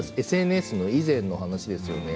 ＳＮＳ以前の話ですよね。